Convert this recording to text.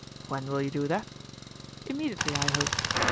"When will you do that?" "Immediately, I hope."